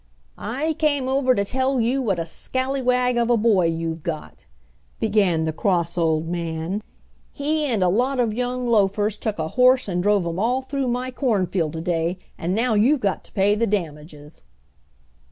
"I came over to tell you what a scallywag of a boy you've got," began the cross old man. "He and a lot of young loafers took a horse and drove him all through my cornfield to day, and now you've got to pay the damages."